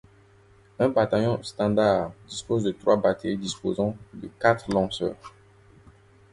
Un bataillon standard dispose de trois batteries disposant de quatre lanceurs.